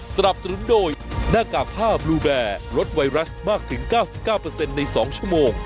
สนับสนุนโดยหน้ากากผ้าบลูแบร์ลดไวรัสมากถึงเก้าสิบเก้าเปอร์เซ็นต์ในสองชั่วโมง